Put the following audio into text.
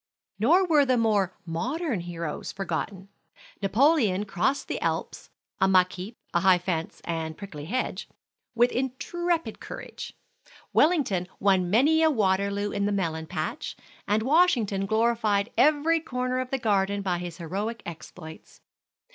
Nor were more modern heroes forgotten. Napoleon crossed the Alps (a muck heap, high fence, and prickly hedge), with intrepid courage. Wellington won many a Waterloo in the melon patch, and Washington glorified every corner of the garden by his heroic exploits.